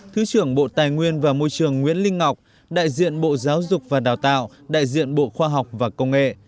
thứ trưởng bộ tài nguyên và môi trường nguyễn linh ngọc đại diện bộ giáo dục và đào tạo đại diện bộ khoa học và công nghệ